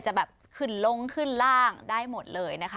แบบขึ้นลงขึ้นล่างได้หมดเลยนะคะ